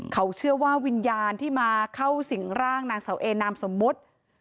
เขาเชื่อว่าวิญญาณที่มาเข้าสิ่งร่างนางเสาเอนามสมมุติ